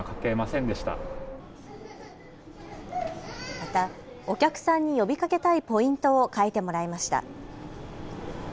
また、お客さんに呼びかけたいポイントを書いてもらいました。